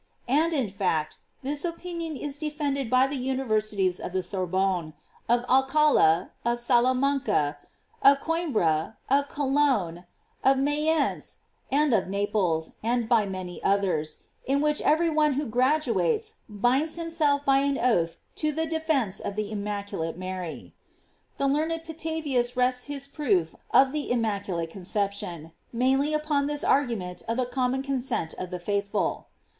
"f And, in fact, this opinion is defended by the universities of the Sorbonne, of Alcala, of Salamanca, of Coim bra, of Cologne, of Mayence, and of Naples, and by many others, in which every one who graduates binds himself by an oath to the de fence of the immaculate Mary. The learned Petavius rests his proof of the immaculate con ception mainly upon this argument of the com mon consent of the faithful.